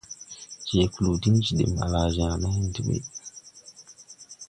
Je kluu din jidim, laa jããre ne hen ti ɓuy.